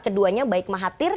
keduanya baik mahathir